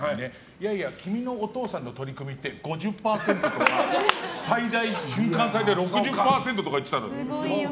いやいや君のお父さんの取組って５０％とか、最大６０％とかいってたんだよ